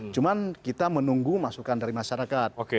cuma kita menunggu masukan dari masyarakat